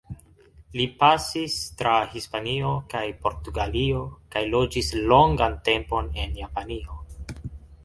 Li pasis tra Hispanio kaj Portugalio, kaj loĝis longan tempon en Japanio.